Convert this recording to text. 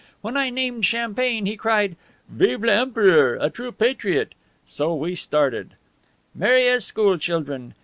When I named champagne he cried, 'Vive l'Empereur!' A true patriot. So we started, merry as school children.